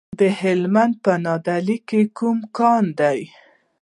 د هلمند په نادعلي کې کوم کان دی؟